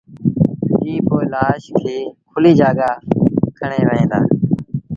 ائيٚݩ پو لآش کي کُليٚ جآڳآ کڻي وهيݩ دآ